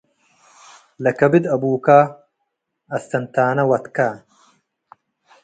ለከብድ አቡከ - አስተንታነ ወትከ